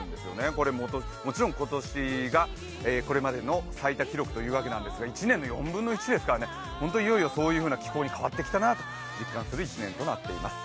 これ、もちろん今年がこれまでの最多記録になりますが１年の４分の１ですから、いよいよそういう気候に変わってきたなと実感する１年となっています。